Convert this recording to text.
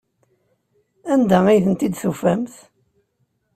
Anda ay tent-id-tufamt?